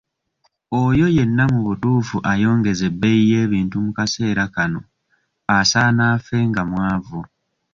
Oyo yenna mu butuufu ayongeza ebbeeyi y'ebintu mu kaseera kano asaana afe nga mwavu.